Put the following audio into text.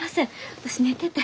私寝てて。